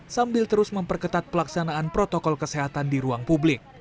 sambil terus memperketat pelaksanaan protokol kesehatan di ruang publik